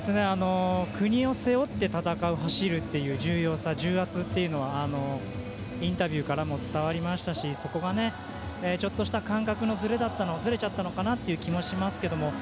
国を背負って戦う、走るという重要さ、重圧というのはインタビューからも伝わりましたしそこがちょっとした、感覚がずれちゃったのかなという気もしますけども。